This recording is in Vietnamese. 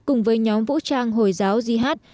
cùng với nhóm vũ trang hồi giáo jihad